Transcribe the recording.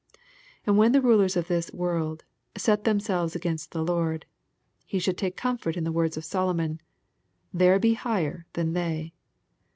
And when the rulers of this world " set themselves against the Lord," he should take comfort in the words of Solomon, "There be higher than they."